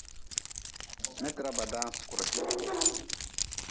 Metra ba daan sukure.